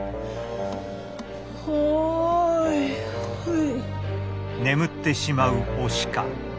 ほいほい。